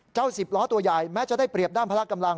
สิบล้อตัวใหญ่แม้จะได้เปรียบด้านพละกำลัง